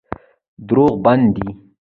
دروغ بد دی.